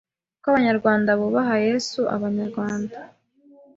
Uko Abanyarwanda bubaha Yesu Abanyarwanda